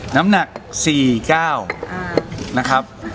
น้ำหนัก๔๙นะครับ